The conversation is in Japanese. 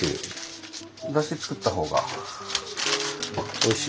だし作った方がおいしい。